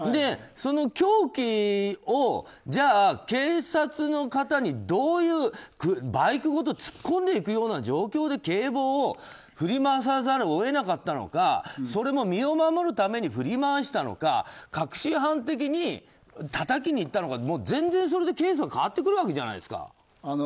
その凶器を、じゃあ警察の方にバイクごと突っ込んでいくような状況で警棒を振り回さざるを得なかったのかそれを、身を守るために振り回したのか確信犯的にたたきにいったのか全然それでケースは変わってくるわけじゃないですか。